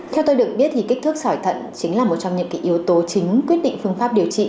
theo tôi được biết thì kích thước sỏi thận chính là một trong những yếu tố chính quyết định phương pháp điều trị